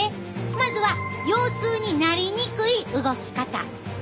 まずは腰痛になりにくい動き方。